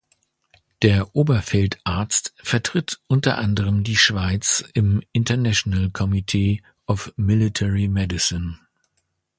Der Oberfeldarzt vertritt unter anderem die Schweiz im International Committee of Military Medicine.